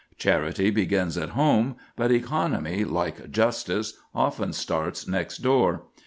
Charity begins at home; but economy, like justice, often starts next door.